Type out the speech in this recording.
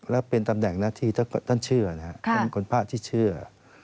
และเป็นตำแหน่งนักที่ท่านเชื่อนะฮะท่านเป็นคนพระที่เชื่อ